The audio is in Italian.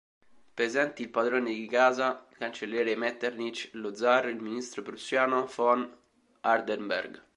Presenti il padrone di casa, cancelliere Metternich, lo Zar, il ministro prussiano von Hardenberg.